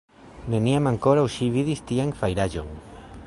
Neniam ankoraŭ ŝi vidis tian fajraĵon.